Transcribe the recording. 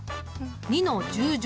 ２の１０乗